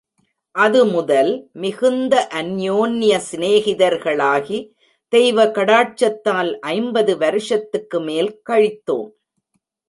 அது முதல் மிகுந்த அன்யோன்ய ஸ்நேகிதர்களாகி, தெய்வ கடாட்சத்தால் ஐம்பது வருஷத்துக்கு மேல் கழித்தோம்.